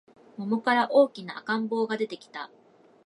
桃から大きな赤ん坊が出てきた